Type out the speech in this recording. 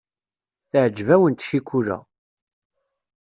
Teɛjeb-awent ccikula.